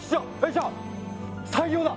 じゃあ採用だ！